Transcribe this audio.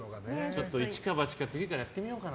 ちょっと一か八か次からやってみようかな。